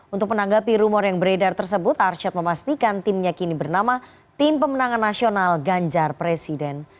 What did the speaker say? untuk menanggapi rumor yang beredar tersebut arsyad memastikan timnya kini bernama tim pemenangan nasional ganjar presiden